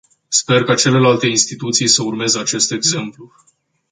Sper ca celelalte instituții să urmeze acest exemplu.